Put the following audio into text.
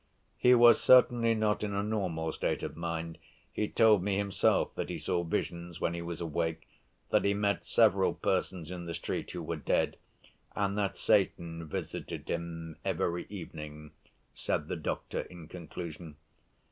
"He was certainly not in a normal state of mind: he told me himself that he saw visions when he was awake, that he met several persons in the street, who were dead, and that Satan visited him every evening," said the doctor, in conclusion.